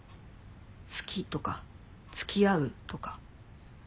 「好き」とか「付き合う」とか。